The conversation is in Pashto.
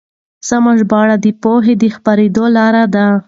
سمه ژباړه د پوهې د خپرېدو لاره ده.